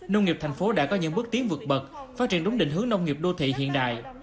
nông nghiệp thành phố đã có những bước tiến vượt bậc phát triển đúng định hướng nông nghiệp đô thị hiện đại